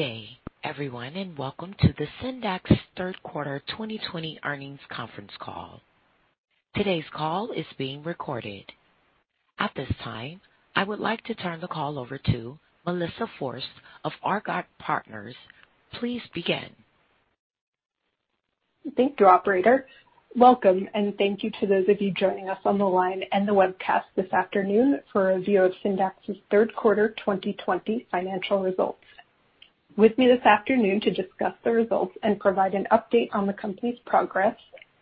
Good day everyone. Welcome to the Syndax third quarter 2020 earnings conference call. Today's call is being recorded. At this time, I would like to turn the call over to Melissa Forst of Argot Partners. Please begin. Thank you, operator. Welcome, and thank you to those of you joining us on the line and the webcast this afternoon for a review of Syndax's third quarter 2020 financial results. With me this afternoon to discuss the results and provide an update on the company's progress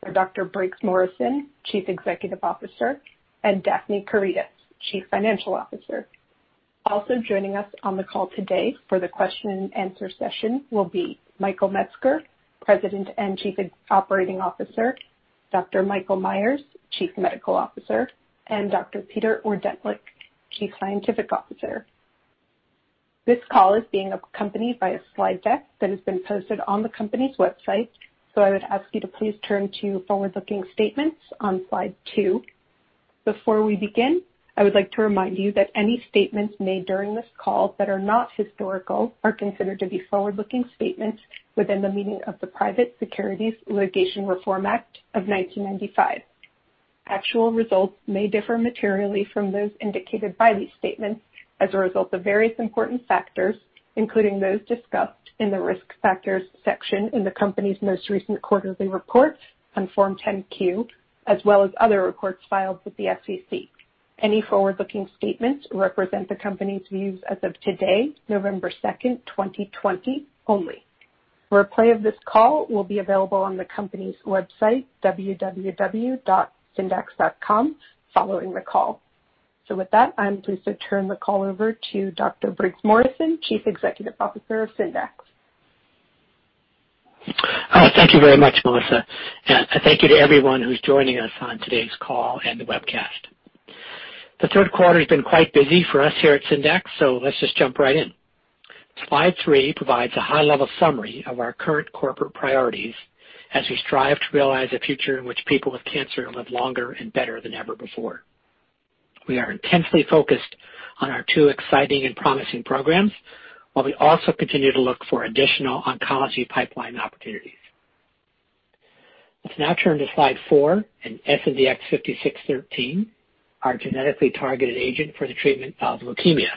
are Dr. Briggs Morrison, Chief Executive Officer, and Daphne Karydas, Chief Financial Officer. Also joining us on the call today for the question and answer session will be Michael Metzger, President and Chief Operating Officer, Dr. Michael Meyers, Chief Medical Officer, and Dr. Peter Ordentlich, Chief Scientific Officer. This call is being accompanied by a slide deck that has been posted on the company's website, so I would ask you to please turn to Forward-Looking Statements on slide two. Before we begin, I would like to remind you that any statements made during this call that are not historical are considered to be forward-looking statements within the meaning of the Private Securities Litigation Reform Act of 1995. Actual results may differ materially from those indicated by these statements as a result of various important factors, including those discussed in the Risk Factors section in the company's most recent quarterly report on Form 10-Q, as well as other reports filed with the SEC. Any forward-looking statements represent the company's views as of today, November 2nd, 2020, only. A replay of this call will be available on the company's website, www.syndax.com, following the call. With that, I'm pleased to turn the call over to Dr. Briggs Morrison, Chief Executive Officer of Syndax. Thank you very much, Melissa. Thank you to everyone who's joining us on today's call and the webcast. The third quarter's been quite busy for us here at Syndax. Let's just jump right in. Slide three provides a high-level summary of our current corporate priorities as we strive to realize a future in which people with cancer live longer and better than ever before. We are intensely focused on our two exciting and promising programs, while we also continue to look for additional oncology pipeline opportunities. Let's now turn to slide four and SNDX-5613, our genetically targeted agent for the treatment of leukemia.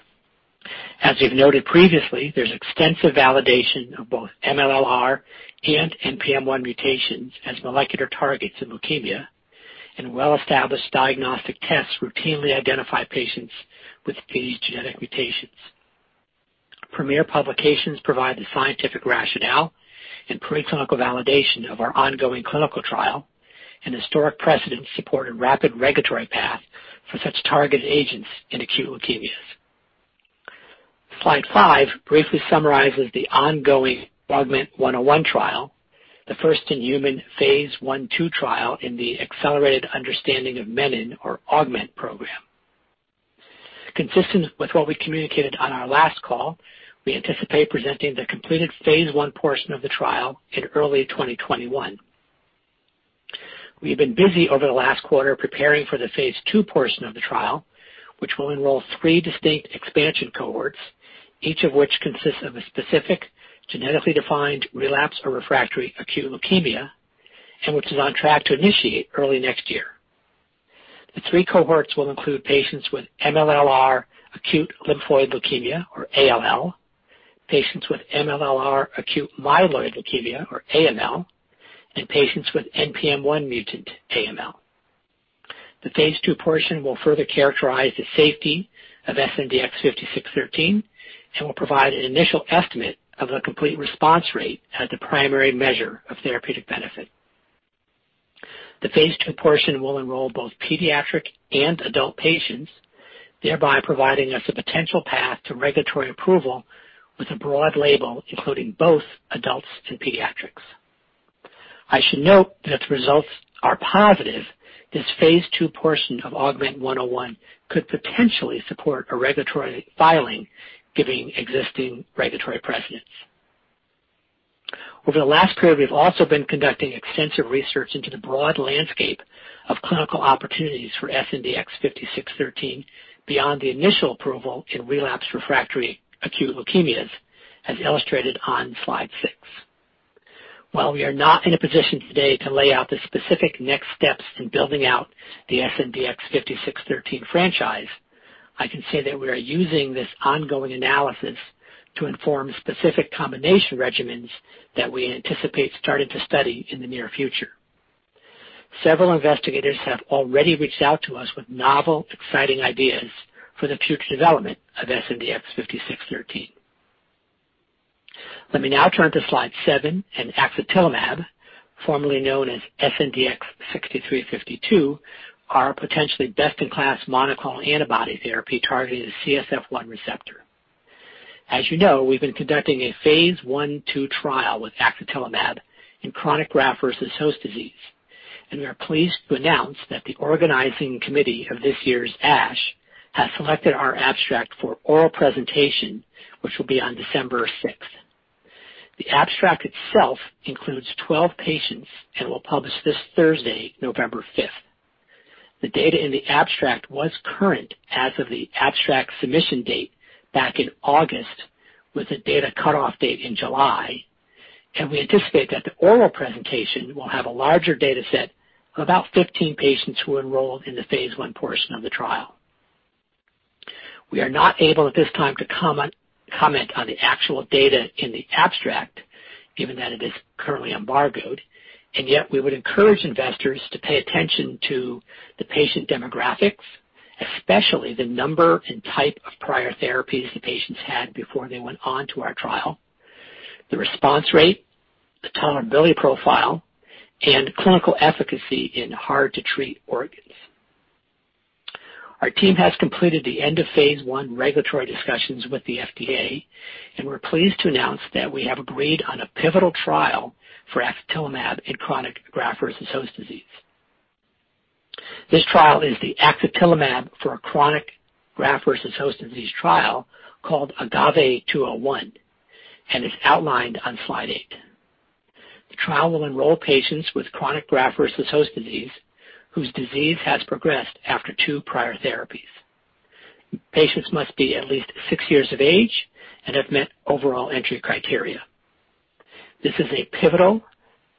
As we've noted previously, there's extensive validation of both MLLr and NPM1 mutations as molecular targets in leukemia and well-established diagnostic tests routinely identify patients with these genetic mutations. Premier publications provide the scientific rationale and pre-clinical validation of our ongoing clinical trial. An historic precedent supported rapid regulatory path for such targeted agents in acute leukemias. Slide five briefly summarizes the ongoing AUGMENT-101 trial, the first human phase I/II trial in the Accelerated Understanding of Menin, or AUGMENT Program. Consistent with what we communicated on our last call, we anticipate presenting the completed phase I portion of the trial in early 2021. We have been busy over the last quarter preparing for the phase II portion of the trial, which will enroll three distinct expansion cohorts, each of which consists of a specific genetically defined relapse or refractory acute leukemia and which is on track to initiate early next year. The three cohorts will include patients with MLLr acute lymphoid leukemia, or ALL, patients with MLLr acute myeloid leukemia, or AML, and patients with NPM1 mutant AML. The phase II portion will further characterize the safety of SNDX-5613 and will provide an initial estimate of the complete response rate as the primary measure of therapeutic benefit. The phase II portion will enroll both pediatric and adult patients, thereby providing us a potential path to regulatory approval with a broad label, including both adults and pediatrics. I should note that if results are positive, this phase II portion of AUGMENT-101 could potentially support a regulatory filing giving existing regulatory precedents. Over the last period, we've also been conducting extensive research into the broad landscape of clinical opportunities for SNDX-5613 beyond the initial approval in relapsed refractory acute leukemias, as illustrated on slide six. While we are not in a position today to lay out the specific next steps in building out the SNDX-5613 franchise, I can say that we are using this ongoing analysis to inform specific combination regimens that we anticipate starting to study in the near future. Several investigators have already reached out to us with novel, exciting ideas for the future development of SNDX-5613. Let me now turn to slide seven and axatilimab, formerly known as SNDX-6352, our potentially best-in-class monoclonal antibody therapy targeting the CSF1 receptor. As you know, we've been conducting a phase I/II trial with axatilimab in chronic graft-versus-host disease, and we are pleased to announce that the organizing committee of this year's ASH has selected our abstract for oral presentation, which will be on December 6th. The abstract itself includes 12 patients and will publish this Thursday, November 5th. The data in the abstract was current as of the abstract submission date back in August, with a data cutoff date in July. We anticipate that the oral presentation will have a larger data set of about 15 patients who enrolled in the phase I portion of the trial. We are not able at this time to comment on the actual data in the abstract given that it is currently embargoed, and yet, we would encourage investors to pay attention to the patient demographics, especially the number and type of prior therapies the patients had before they went on to our trial, the response rate, the tolerability profile, and clinical efficacy in hard to treat organs. Our team has completed the end of phase I regulatory discussions with the FDA, we're pleased to announce that we have agreed on a pivotal trial for axatilimab in chronic graft-versus-host disease. This trial is the axatilimab for a chronic graft-versus-host disease trial called AGAVE-201 and is outlined on slide eight. The trial will enroll patients with chronic graft-versus-host disease whose disease has progressed after two prior therapies. Patients must be at least six years of age and have met overall entry criteria. This is a pivotal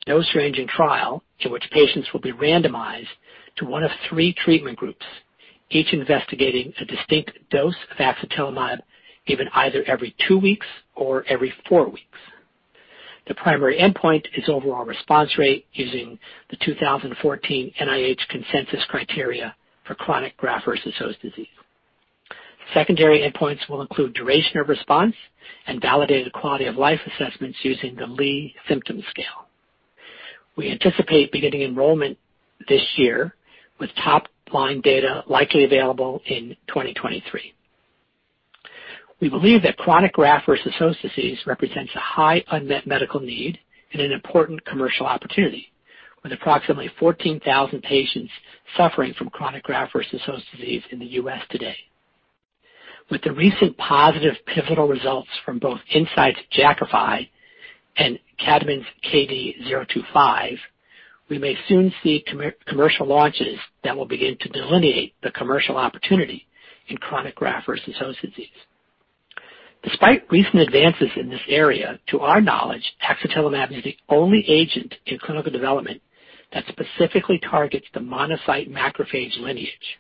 dose ranging trial in which patients will be randomized to one of three treatment groups, each investigating a distinct dose of axatilimab given either every two weeks or every four weeks. The primary endpoint is overall response rate using the 2014 NIH consensus criteria for chronic graft-versus-host disease. Secondary endpoints will include duration of response and validated quality of life assessments using the Lee Symptom Scale. We anticipate beginning enrollment this year with top line data likely available in 2023. We believe that chronic graft-versus-host disease represents a high unmet medical need and an important commercial opportunity with approximately 14,000 patients suffering from chronic graft-versus-host disease in the U.S. today. With the recent positive pivotal results from both Incyte's Jakafi and Kadmon's KD025, we may soon see commercial launches that will begin to delineate the commercial opportunity in chronic graft-versus-host disease. Despite recent advances in this area, to our knowledge, axatilimab is the only agent in clinical development that specifically targets the monocyte macrophage lineage.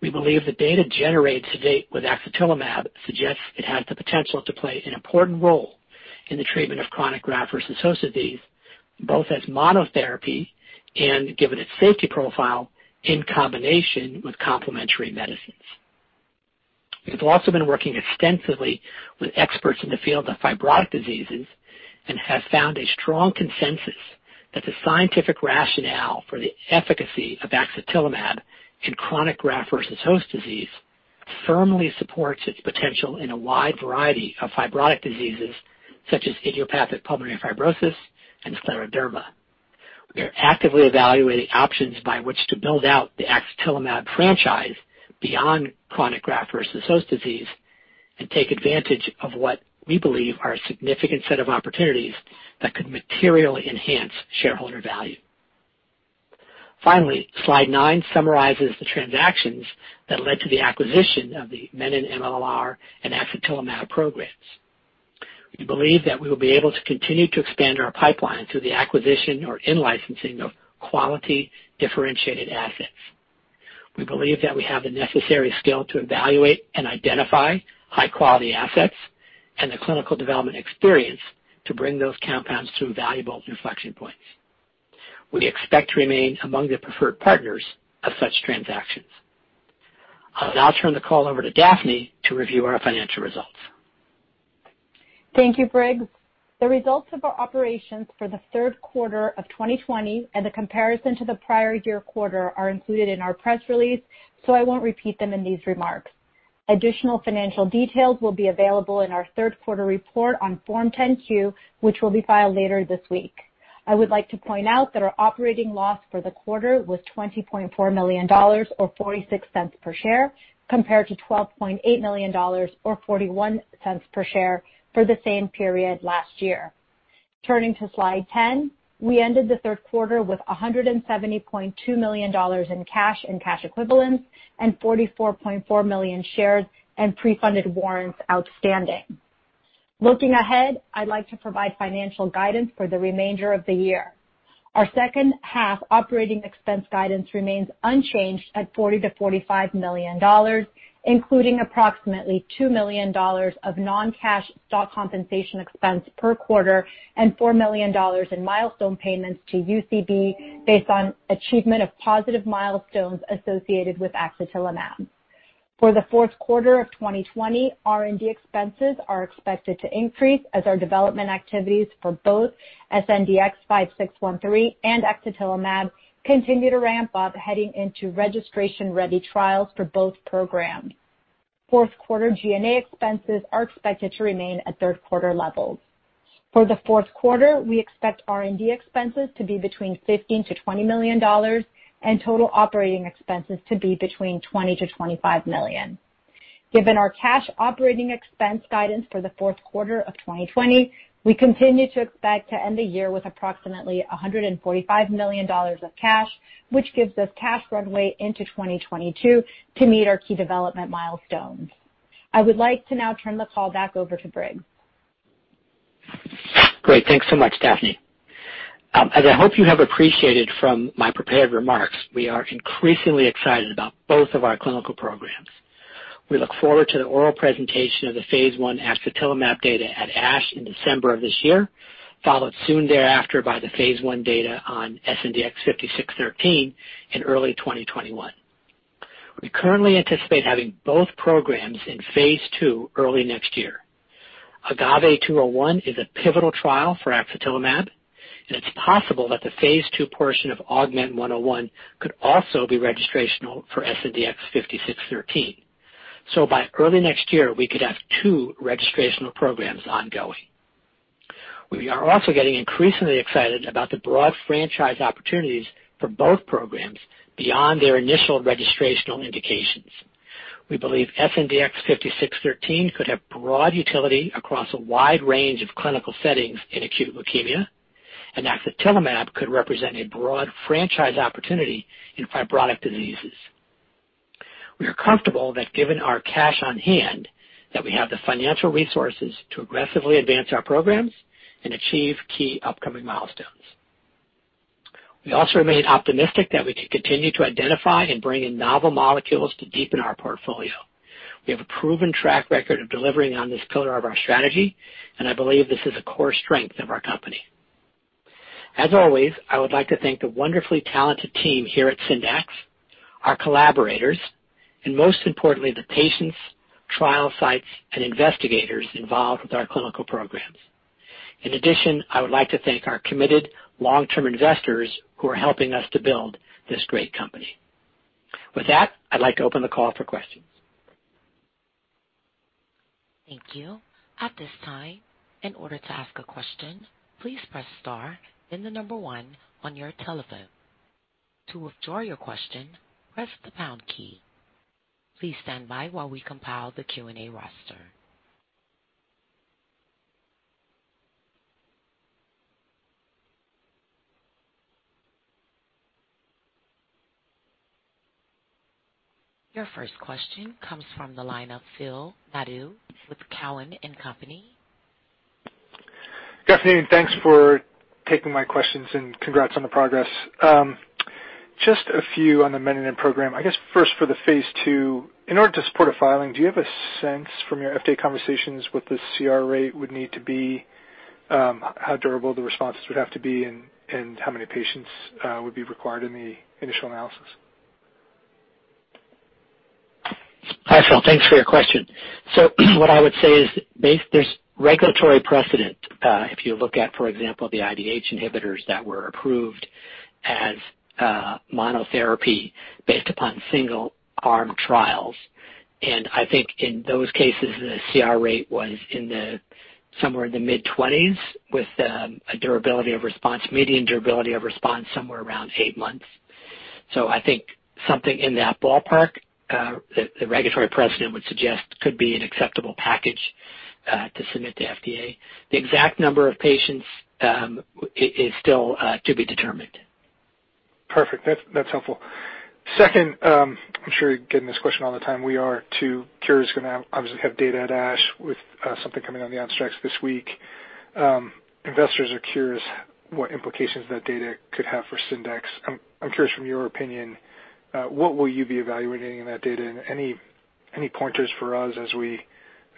We believe the data generated to date with axatilimab suggests it has the potential to play an important role in the treatment of chronic graft-versus-host disease, both as monotherapy and, given its safety profile, in combination with complementary medicines. We have also been working extensively with experts in the field of fibrotic diseases and have found a strong consensus that the scientific rationale for the efficacy of axatilimab in chronic graft-versus-host disease firmly supports its potential in a wide variety of fibrotic diseases such as idiopathic pulmonary fibrosis and scleroderma. We are actively evaluating options by which to build out the axatilimab franchise beyond chronic graft-versus-host disease and take advantage of what we believe are a significant set of opportunities that could materially enhance shareholder value. Slide nine summarizes the transactions that led to the acquisition of the menin-MLL and axatilimab programs. We believe that we will be able to continue to expand our pipeline through the acquisition or in-licensing of quality differentiated assets. We believe that we have the necessary skill to evaluate and identify high-quality assets and the clinical development experience to bring those compounds to valuable inflection points. We expect to remain among the preferred partners of such transactions. I'll now turn the call over to Daphne to review our financial results. Thank you, Briggs. The results of our operations for the third quarter of 2020 and the comparison to the prior year quarter are included in our press release, so I won't repeat them in these remarks. Additional financial details will be available in our third quarter report on Form 10-Q, which will be filed later this week. I would like to point out that our operating loss for the quarter was $20.4 million, or $0.46 per share, compared to $12.8 million, or $0.41 per share for the same period last year. Turning to slide 10, we ended the third quarter with $170.2 million in cash and cash equivalents and 44.4 million shares and pre-funded warrants outstanding. Looking ahead, I'd like to provide financial guidance for the remainder of the year. Our second half operating expense guidance remains unchanged at $40 million-$45 million, including approximately $2 million of non-cash stock compensation expense per quarter and $4 million in milestone payments to UCB based on achievement of positive milestones associated with axatilimab. For the fourth quarter of 2020, R&D expenses are expected to increase as our development activities for both SNDX-5613 and axatilimab continue to ramp up heading into registration-ready trials for both programs. Fourth quarter G&A expenses are expected to remain at third quarter levels. For the fourth quarter, we expect R&D expenses to be between $15 million-$20 million, and total operating expenses to be between $20 million-$25 million. Given our cash operating expense guidance for the fourth quarter of 2020, we continue to expect to end the year with approximately $145 million of cash, which gives us cash runway into 2022 to meet our key development milestones. I would like to now turn the call back over to Briggs. Great. Thanks so much, Daphne. As I hope you have appreciated from my prepared remarks, we are increasingly excited about both of our clinical programs. We look forward to the oral presentation of the phase I axatilimab data at ASH in December of this year, followed soon thereafter by the phase I data on SNDX-5613 in early 2021. We currently anticipate having both programs in phase II early next year. AGAVE-201 is a pivotal trial for axatilimab. It's possible that the phase II portion of AUGMENT-101 could also be registrational for SNDX-5613. By early next year, we could have two registrational programs ongoing. We are also getting increasingly excited about the broad franchise opportunities for both programs beyond their initial registrational indications. We believe SNDX-5613 could have broad utility across a wide range of clinical settings in acute leukemia, and axatilimab could represent a broad franchise opportunity in fibrotic diseases. We are comfortable that given our cash on hand, that we have the financial resources to aggressively advance our programs and achieve key upcoming milestones. We also remain optimistic that we can continue to identify and bring in novel molecules to deepen our portfolio. We have a proven track record of delivering on this pillar of our strategy, and I believe this is a core strength of our company. As always, I would like to thank the wonderfully talented team here at Syndax, our collaborators, and most importantly, the patients, trial sites, and investigators involved with our clinical programs. In addition, I would like to thank our committed long-term investors who are helping us to build this great company. With that, I'd like to open the call for questions. Thank you. At this time, in order to ask a question, please press star then the number one on your telephone. To withdraw your question, press the pound key. Please stand by while we compile the Q&A roster. Your first question comes from the line of Phil Nadeau with Cowen and Company. Good afternoon. Thanks for taking my questions. Congrats on the progress. Just a few on the menin program. First for the phase II, in order to support a filing, do you have a sense from your FDA conversations what the CR rate would need to be, how durable the responses would have to be, and how many patients would be required in the initial analysis? Hi, Phil. Thanks for your question. What I would say is there's regulatory precedent, if you look at, for example, the IDH inhibitors that were approved as monotherapy based upon single-arm trials. I think in those cases, the CR rate was somewhere in the mid-20%s with a median durability of response somewhere around eight months. I think something in that ballpark, the regulatory precedent would suggest could be an acceptable package to submit to FDA. The exact number of patients is still to be determined. Perfect. That's helpful. Second, I'm sure you're getting this question all the time. We are too curious, going to obviously have data at ASH with something coming on the abstracts this week. Investors are curious what implications that data could have for Syndax. I'm curious from your opinion, what will you be evaluating in that data? Any pointers for us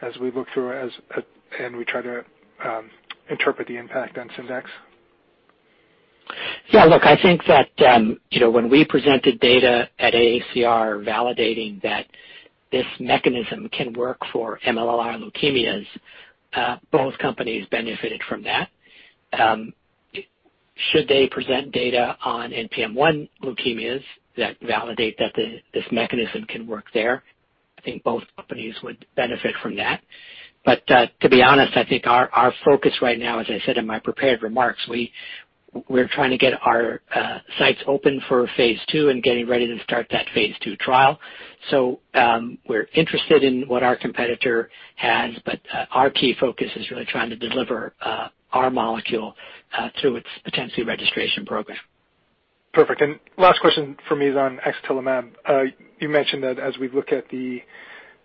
as we look through and we try to interpret the impact on Syndax? Yeah, look, I think that when we presented data at AACR validating that this mechanism can work for MLLr leukemias, both companies benefited from that. Should they present data on NPM1 leukemias that validate that this mechanism can work there, I think both companies would benefit from that. To be honest, I think our focus right now, as I said in my prepared remarks, we're trying to get our sites open for phase II and getting ready to start that phase II trial. We're interested in what our competitor has, but our key focus is really trying to deliver our molecule through its potential registration program. Perfect. Last question for me is on axatilimab. You mentioned that as we look at the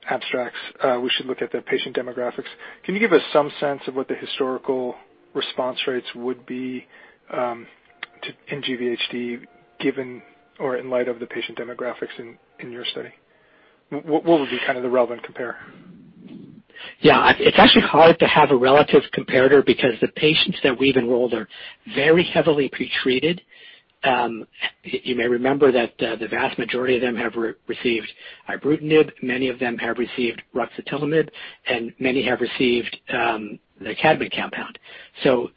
abstracts, we should look at the patient demographics. Can you give us some sense of what the historical response rates would be in GVHD given or in light of the patient demographics in your study? What would be kind of the relevant compare? Yeah. It's actually hard to have a relative comparator because the patients that we've enrolled are very heavily pretreated. You may remember that the vast majority of them have received ibrutinib, many of them have received ruxolitinib, and many have received the Kadmon compound.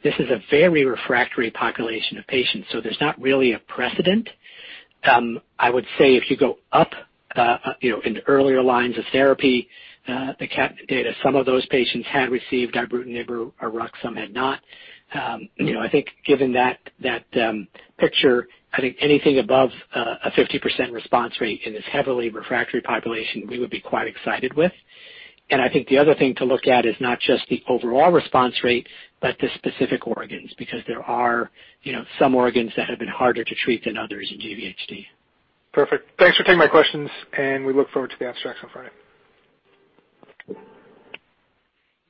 This is a very refractory population of patients, so there's not really a precedent. I would say if you go up into earlier lines of therapy, some of those patients had received ibrutinib or rux, some had not. I think given that picture, I think anything above a 50% response rate in this heavily refractory population, we would be quite excited with. I think the other thing to look at is not just the overall response rate, but the specific organs, because there are some organs that have been harder to treat than others in GVHD. Perfect. Thanks for taking my questions. We look forward to the abstracts on Friday.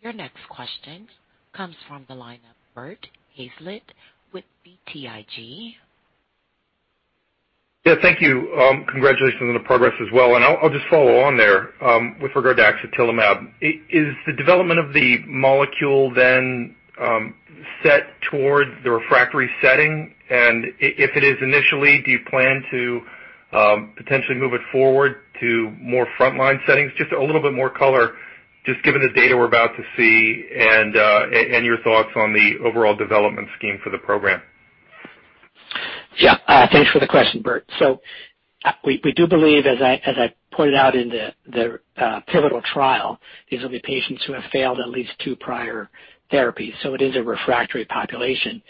Your next question comes from the line of Bert Hazlett with BTIG. Yeah, thank you. Congratulations on the progress as well. I'll just follow on there, with regard to axatilimab. Is the development of the molecule then set towards the refractory setting? If it is initially, do you plan to potentially move it forward to more frontline settings? Just a little bit more color, just given the data we're about to see and your thoughts on the overall development scheme for the program. Yeah. Thanks for the question, Bert. We do believe, as I pointed out in the pivotal trial, these will be patients who have failed at least two prior therapies, so it is a refractory population.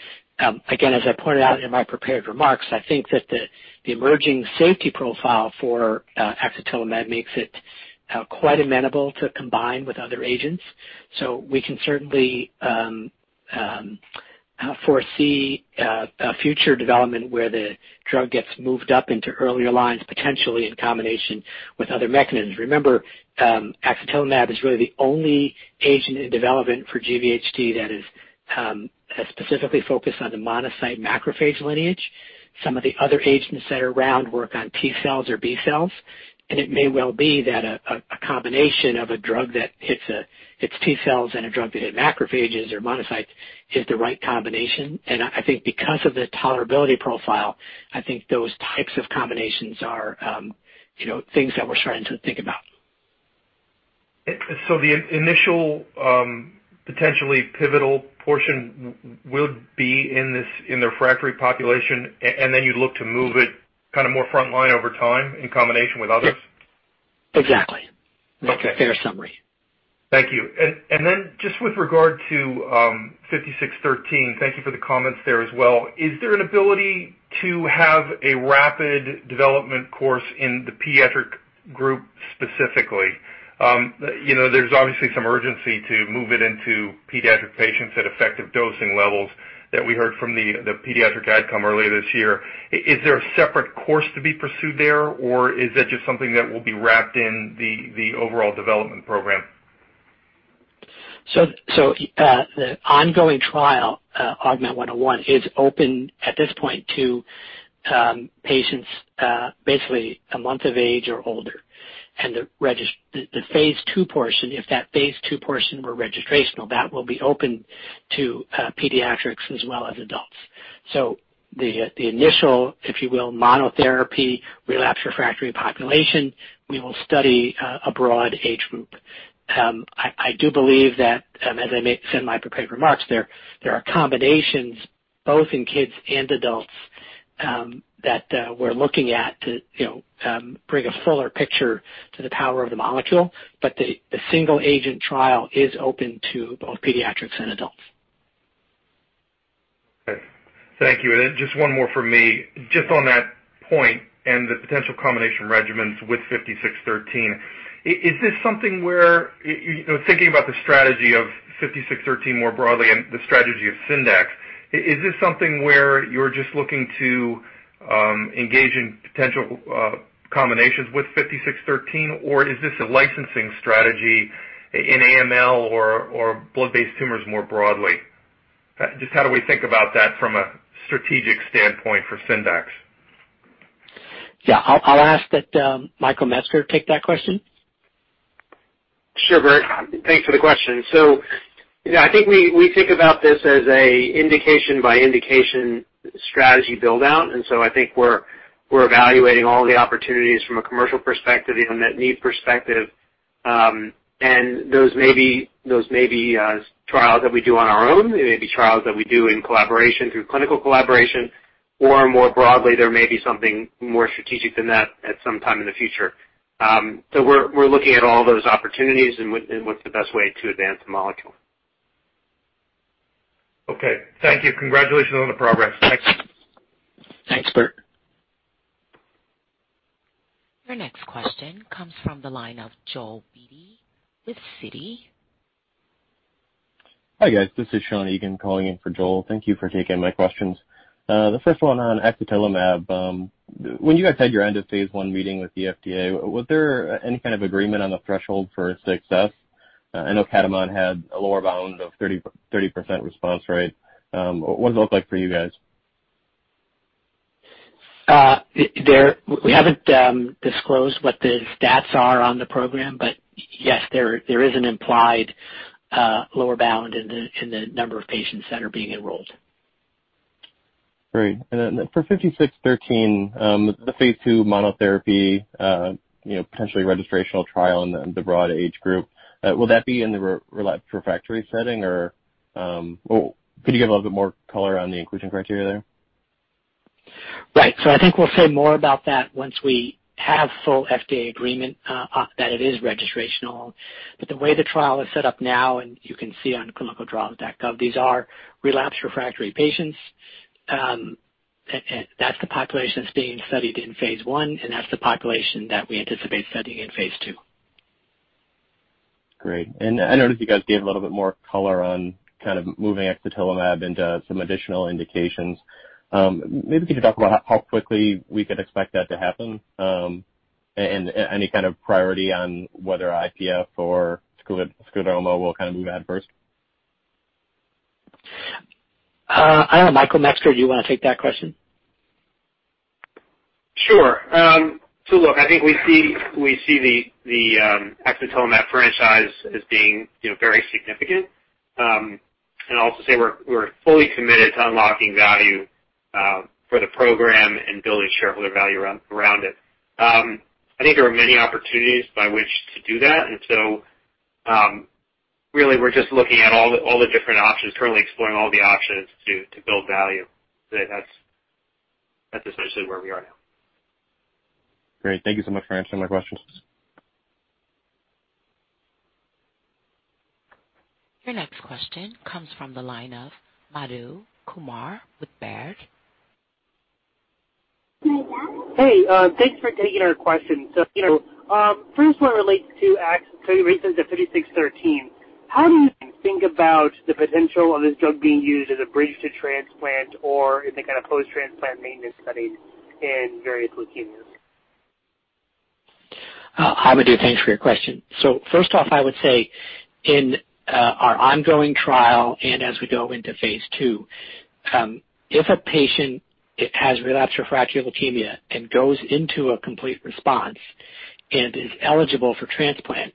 Again, as I pointed out in my prepared remarks, I think that the emerging safety profile for axatilimab makes it quite amenable to combine with other agents. We can certainly foresee a future development where the drug gets moved up into earlier lines, potentially in combination with other mechanisms. Remember, axatilimab is really the only agent in development for GVHD that is specifically focused on the monocyte-macrophage lineage. Some of the other agents that are around work on T cells or B cells, and it may well be that a combination of a drug that hits T cells and a drug that hits macrophages or monocytes is the right combination. I think because of the tolerability profile, I think those types of combinations are things that we're starting to think about. The initial, potentially pivotal portion would be in the refractory population, and then you'd look to move it more frontline over time in combination with others? Exactly. Okay. That's a fair summary. Thank you. Just with regard to 5613, thank you for the comments there as well. Is there an ability to have a rapid development course in the pediatric group specifically? There's obviously some urgency to move it into pediatric patients at effective dosing levels that we heard from the pediatric outcome earlier this year. Is there a separate course to be pursued there, or is that just something that will be wrapped in the overall development program? The ongoing trial, AUGMENT-101, is open at this point to patients basically a month of age or older. The phase II portion, if that phase II portion were registrational, that will be open to pediatrics as well as adults. The initial, if you will, monotherapy relapse refractory population, we will study a broad age group. I do believe that, as I said in my prepared remarks, there are combinations both in kids and adults that we're looking at to bring a fuller picture to the power of the molecule. The single agent trial is open to both pediatrics and adults. Okay. Thank you. Then just one more from me. Just on that point and the potential combination regimens with 5613, is this something where, thinking about the strategy of 5613 more broadly and the strategy of Syndax, is this something where you're just looking to engage in potential combinations with 5613, or is this a licensing strategy in AML or blood-based tumors more broadly? Just how do we think about that from a strategic standpoint for Syndax? Yeah. I'll ask that Michael Metzger take that question. Sure, Bert. Thanks for the question. I think we think about this as a indication by indication strategy build-out, and so I think we're evaluating all the opportunities from a commercial perspective, an unmet need perspective. Those may be trials that we do on our own, they may be trials that we do in collaboration through clinical collaboration, or more broadly, there may be something more strategic than that at some time in the future. We're looking at all those opportunities and what's the best way to advance the molecule. Okay. Thank you. Congratulations on the progress. Thanks. Thanks, Bert. Your next question comes from the line of Joel Beatty with Citi. Hi, guys. This is Sean Egan calling in for Joel. Thank you for taking my questions. The first one on axatilimab. When you guys had your end of phase I meeting with the FDA, was there any kind of agreement on the threshold for success? I know Kadmon had a lower bound of 30% response rate. What does it look like for you guys? We haven't disclosed what the stats are on the program, but yes, there is an implied lower bound in the number of patients that are being enrolled. Great. For 5613, the phase II monotherapy, potentially registrational trial in the broad age group, will that be in the relapse refractory setting, or could you give a little bit more color on the inclusion criteria there? I think we'll say more about that once we have full FDA agreement that it is registrational. The way the trial is set up now, and you can see on clinicaltrials.gov, these are relapsed refractory patients. That's the population that's being studied in phase I, and that's the population that we anticipate studying in phase II. Great. I noticed you guys gave a little bit more color on kind of moving axatilimab into some additional indications. Maybe can you talk about how quickly we could expect that to happen, and any kind of priority on whether IPF or scleroderma will kind of move out first? I don't know, Michael Metzger, do you want to take that question? Sure. Look, I think we see the axatilimab franchise as being very significant. I'll also say we're fully committed to unlocking value for the program and building shareholder value around it. I think there are many opportunities by which to do that. Really, we're just looking at all the different options, currently exploring all the options to build value. That's essentially where we are now. Great. Thank you so much for answering my questions. Your next question comes from the line of Madhu Kumar with Baird. Hey, thanks for taking our question, sir. First one relates to recent 5613. How do you think about the potential of this drug being used as a bridge to transplant or in the kind of post-transplant maintenance studies in various leukemias? Hi, Madhu. Thanks for your question. First off, I would say in our ongoing trial, and as we go into phase II, if a patient has relapsed refractory leukemia and goes into a complete response and is eligible for transplant,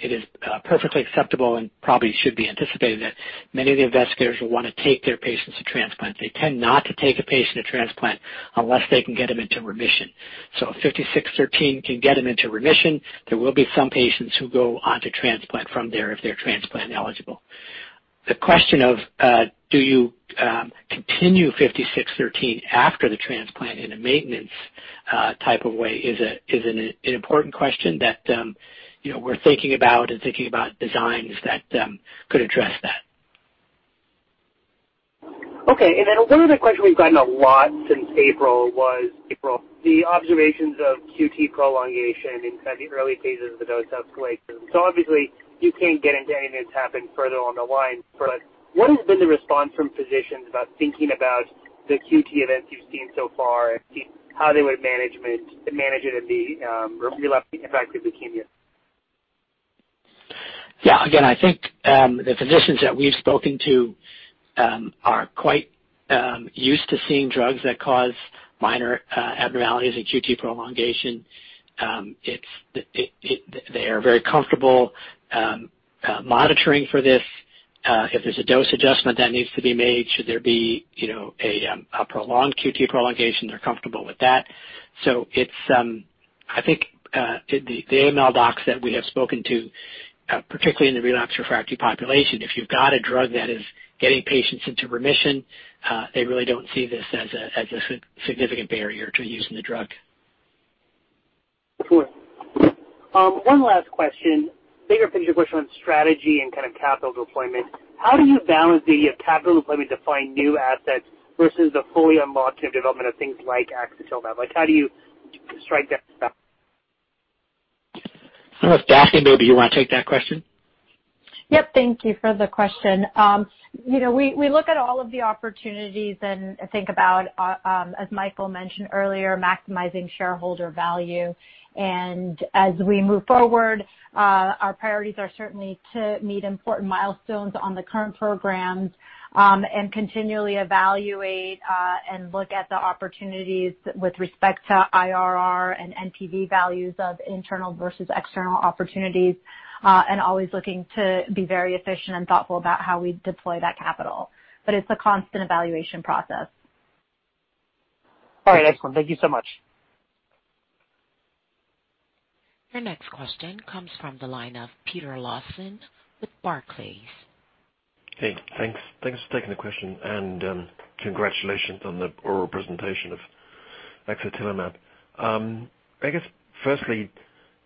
it is perfectly acceptable and probably should be anticipated that many of the investigators will want to take their patients to transplant. They tend not to take a patient to transplant unless they can get them into remission. If 5613 can get them into remission, there will be some patients who go on to transplant from there if they're transplant eligible. The question of do you continue 5613 after the transplant in a maintenance type of way is an important question that we're thinking about and thinking about designs that could address that. Okay. Then one other question we've gotten a lot since April was the observations of QT prolongation in kind of the early phases of the dose escalation. Obviously you can't get into anything that's happened further on the line, but what has been the response from physicians about thinking about the QT events you've seen so far and how they would manage it in the relapsing refractory leukemia? Yeah. Again, I think, the physicians that we've spoken to are quite used to seeing drugs that cause minor abnormalities and QT prolongation. They are very comfortable monitoring for this. If there's a dose adjustment that needs to be made, should there be a prolonged QT prolongation, they're comfortable with that. I think, the AML docs that we have spoken to, particularly in the relapsed refractory population, if you've got a drug that is getting patients into remission, they really don't see this as a significant barrier to using the drug. Sure. One last question, bigger picture question on strategy and kind of capital deployment. How do you balance the capital deployment to find new assets versus the fully unlocked new development of things like axatilimab? Like, how do you strike that balance? I don't know if Daphne, maybe you want to take that question. Yep. Thank you for the question. We look at all of the opportunities and think about, as Michael mentioned earlier, maximizing shareholder value. As we move forward, our priorities are certainly to meet important milestones on the current programs, and continually evaluate, and look at the opportunities with respect to IRR and NPV values of internal versus external opportunities, and always looking to be very efficient and thoughtful about how we deploy that capital. It's a constant evaluation process. All right. Excellent. Thank you so much. Your next question comes from the line of Peter Lawson with Barclays. Hey, thanks. Thanks for taking the question, and congratulations on the oral presentation of axatilimab. I guess firstly,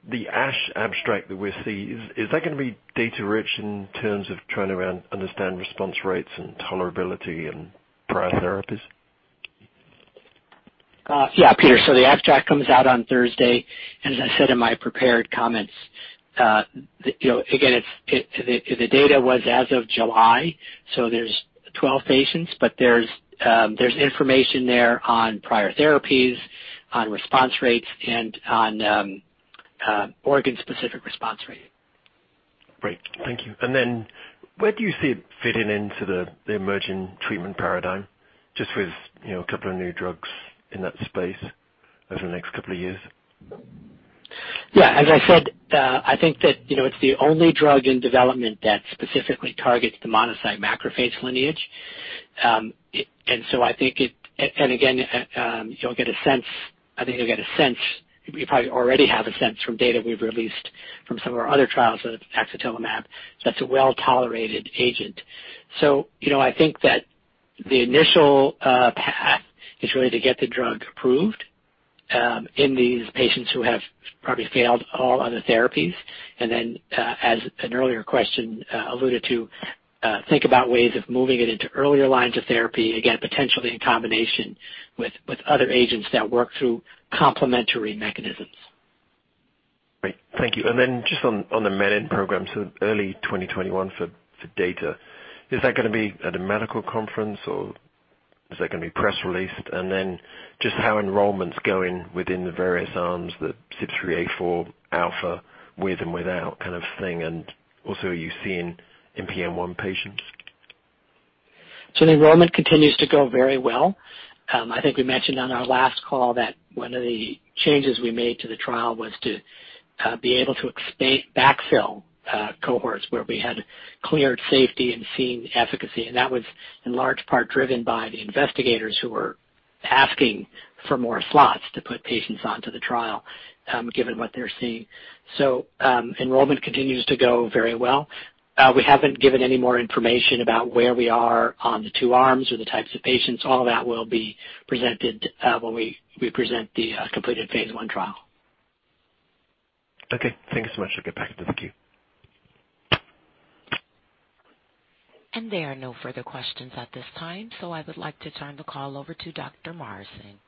the ASH abstract that we're seeing, is that going to be data rich in terms of trying to understand response rates and tolerability and prior therapies? Yeah. Peter, the abstract comes out on Thursday, as I said in my prepared comments. Again, the data was as of July. There's 12 patients, but there's information there on prior therapies, on response rates, and on organ specific response rate. Great. Thank you. Where do you see it fitting into the emerging treatment paradigm, just with a couple of new drugs in that space over the next couple of years? Yeah, as I said, I think that it's the only drug in development that specifically targets the monocyte macrophage lineage. Again, I think you probably already have a sense from data we've released from some of our other trials of axatilimab that it's a well-tolerated agent. I think that the initial path is really to get the drug approved in these patients who have probably failed all other therapies. Then, as an earlier question alluded to, think about ways of moving it into earlier lines of therapy, again, potentially in combination with other agents that work through complementary mechanisms. Great. Thank you. Just on the menin program, early 2021 for data, is that going to be at a medical conference, or is that going to be press released? Just how enrollment's going within the various arms, the CYP3A4 with and without kind of thing. Also, are you seeing NPM1 patients? The enrollment continues to go very well. I think we mentioned on our last call that one of the changes we made to the trial was to be able to backfill cohorts where we had cleared safety and seen efficacy. That was in large part driven by the investigators who were asking for more slots to put patients onto the trial, given what they're seeing. Enrollment continues to go very well. We haven't given any more information about where we are on the two arms or the types of patients. All that will be presented when we present the completed phase I trial. Okay. Thanks so much. I'll get back to the queue. There are no further questions at this time, I would like to turn the call over to Dr. Morrison.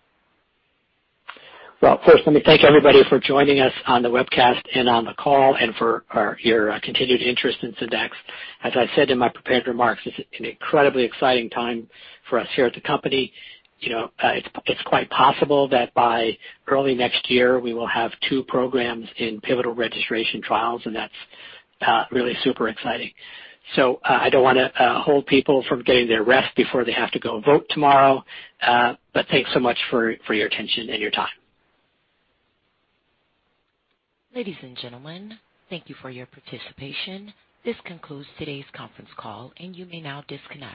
Well, first, let me thank everybody for joining us on the webcast and on the call, and for your continued interest in Syndax. As I said in my prepared remarks, this is an incredibly exciting time for us here at the company. It's quite possible that by early next year, we will have two programs in pivotal registration trials, that's really super exciting. I don't want to hold people from getting their rest before they have to go vote tomorrow. Thanks so much for your attention and your time. Ladies and gentlemen, thank you for your participation. This concludes today's conference call, and you may now disconnect.